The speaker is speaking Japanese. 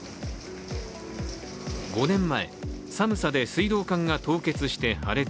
５年前、寒さで水道管が凍結して破裂。